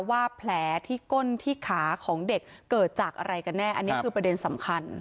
ว่าแผลที่ก้นที่ขาของเด็กเกิดจากอะไรกันแน่อันนี้คือประเด็นสำคัญ